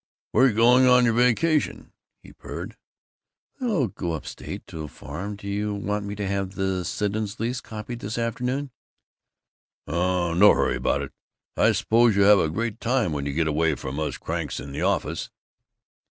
"Where you going on your vacation?" he purred. "I think I'll go up state to a farm do you want me to have the Siddons lease copied this afternoon?" "Oh, no hurry about it.... I suppose you have a great time when you get away from us cranks in the office."